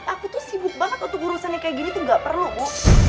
aku tuh sibuk banget untuk urusannya kayak gini tuh gak perlu bu